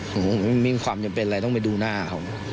ผมไม่มีความจำเป็นอะไรต้องไปดูหน้าเขา